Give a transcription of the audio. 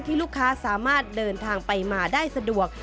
ลูกค้าสามารถเดินทางไปมาได้สะดวก